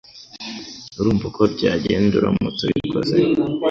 Urumva uko byagenda uramutse ubikoze?